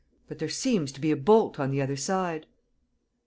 But there seems to be a bolt on the other side."